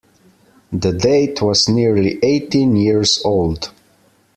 The date was nearly eighteen years old.